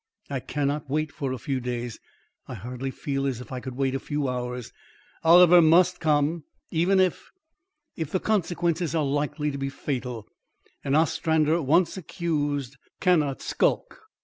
"I cannot wait for a few days. I hardly feel as if I could wait a few hours. Oliver must come, even if if the consequences are likely to be fatal. An Ostrander once accused cannot skulk.